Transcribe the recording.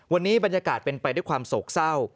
วันนี้บรรยากาศเป็นไปด้วยความโศกเศร้า